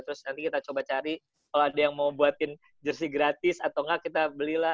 terus nanti kita coba cari kalau ada yang mau buatin jersi gratis atau enggak kita belilah